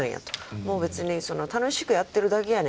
「もう別に楽しくやってるだけやねん。